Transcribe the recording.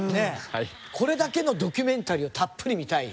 これだけのドキュメンタリーをたっぷり見たいですね。